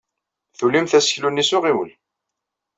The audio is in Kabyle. Tulimt aseklu-nni s uɣiwel.